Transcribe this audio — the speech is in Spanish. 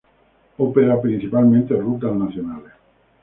Opera principalmente rutas nacionales.